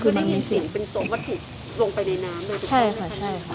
คือมันมีกรได้ยังมีสีเป็นสองวัตถุลงไปในน้ำเลยใช่ค่ะใช่ค่ะ